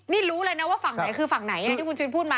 นี่รู้เลยนะว่าฝั่งไหนคือฝั่งไหนที่คุณชุวิตพูดมา